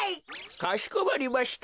かしこまりました。